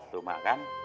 tuh mak kan